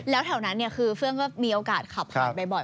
แล้วแถวนั้นคือเฟื่องก็มีโอกาสขับผ่านบ่อย